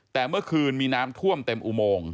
แต่เมื่อคืนมีน้ำท่วมเต็มอุโมง